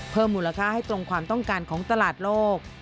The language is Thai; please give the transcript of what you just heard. เพิ่มมูลค่าให้ตรงความต้องการของตลาดโลก